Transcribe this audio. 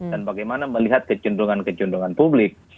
dan bagaimana melihat kecundungan kecundungan publik